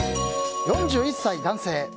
４１歳、男性。